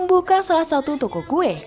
membuka salah satu tokoh kue